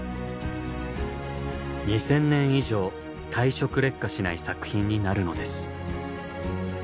２，０００年以上退色劣化しない作品になるのです。